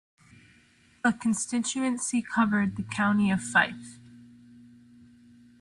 The constituency covered the county of Fife.